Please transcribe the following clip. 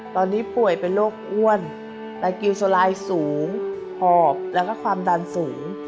ตอนนี้ป่วยเป็นโรคอ้วนไตกิลโซลายสูงหอบแล้วก็ความดันสูง